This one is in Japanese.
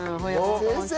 先生！